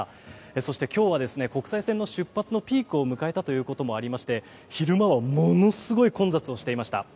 そして今日は国際線の出発のピークを迎えたということもありまして昼間はものすごい混雑をしていました。